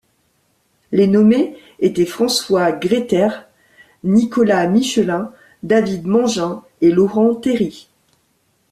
Les nommés étaient François Grether, Nicolas Michelin, David Mangin et Laurent Théry.